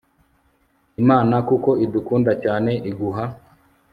imana kuko idukunda cyane, iguha